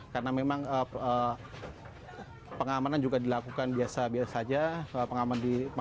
karena memang pengamanan juga dilakukan biasa biasa saja